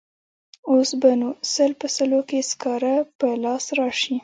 اوس به نو سل په سلو کې سکاره په لاس راشي.